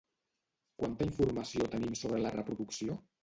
Quanta informació tenim sobre la reproducció?